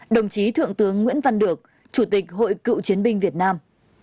ba mươi sáu đồng chí thượng tướng nguyễn văn được chủ tịch hội cựu chiến binh việt nam